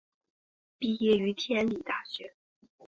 毕业于天理大学。